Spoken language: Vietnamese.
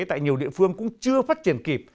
tại nhiều địa phương cũng chưa phát triển kịp